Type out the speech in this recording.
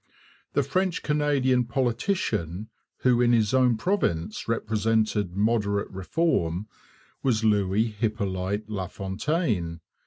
The French Canadian politician, who in his own province represented Moderate Reform, was Louis Hippolyte LaFontaine.